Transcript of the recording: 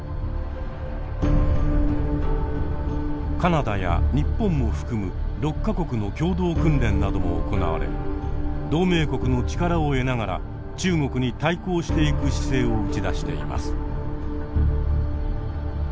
カナダや日本も含む６か国の共同訓練なども行われ同盟国の力を得ながら中国に対抗していく姿勢を打ち出しています。